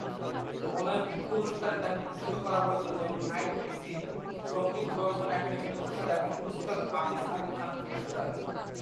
অনেক পুরস্কারে তাকে ভূষিত করা হয়েছিল যেমন আইটিসি সংগীত গবেষণা একাডেমি পুরস্কার এবং ওস্তাদ হাফিজ আলী খান পুরস্কার।